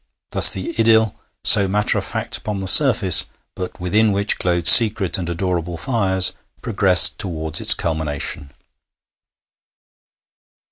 Thus, the idyll, so matter of fact upon the surface, but within which glowed secret and adorable fires, progressed towards its culmination.